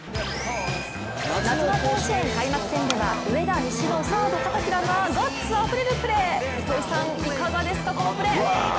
夏の甲子園開幕戦では上田西のサード・片平がガッツあふれるプレー、糸井さん、いかがですか、このプレー。